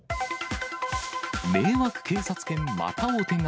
迷惑警察犬、またお手柄。